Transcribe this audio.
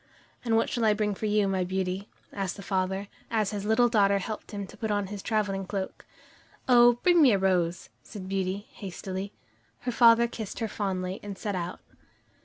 "And what shall I bring for you, my Beauty?" asked the father, as his little daughter helped him to put on his traveling cloak. "Oh, bring me a rose," said Beauty hastily. Her father kissed her fondly, and set out.